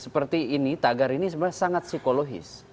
seperti ini tagar ini sebenarnya sangat psikologis